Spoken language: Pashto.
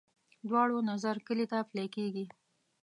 دواړو نظر کلي ته پلی کېږي.